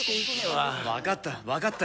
「分かった。